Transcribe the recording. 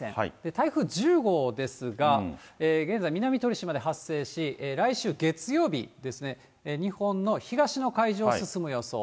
台風１０号ですが、現在、南鳥島で発生し、来週月曜日ですね、日本の東の海上を進む予想。